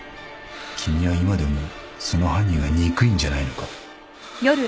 君は今でもその犯人が憎いんじゃないのか？